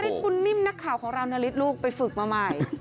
นฤทธิ์คุณนิ่มนักข่าวของเรานฤทธิ์ลูกไปฝึกมาใหม่